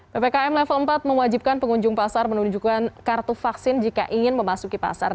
ppkm level empat mewajibkan pengunjung pasar menunjukkan kartu vaksin jika ingin memasuki pasar